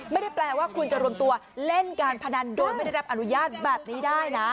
ไม่ได้แปลว่าคุณจะรวมตัวเล่นการพนันโดยไม่ได้รับอนุญาตแบบนี้ได้นะ